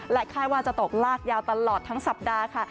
คาดว่าจะตกลากยาวตลอดทั้งสัปดาห์ค่ะ